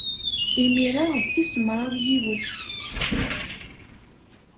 Imir-a d tis mraw yiwet.